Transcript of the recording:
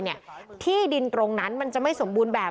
ที่ดินตรงนั้นมันจะไม่สมบูรณ์แบบ